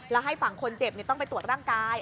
แล้วให้ฝั่งคนเจ็บต้องไปตรวจร่างกาย